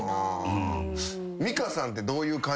美香さんってどういう感じで？